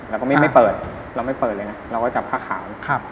เราก็ไม่เปิดเราไม่เปิดเลยนะเราก็จับผ้าขาว